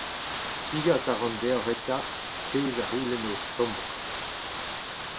Degas a ran deoc’h eta, ar pezh a c’houlenn ho stomok.